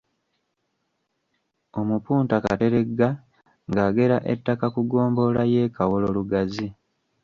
Omupunta Kateregga ng’agera ettaka ku ggombolola y’e Kawolo-Lugazi.